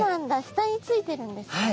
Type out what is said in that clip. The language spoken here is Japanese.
下についてるんですね。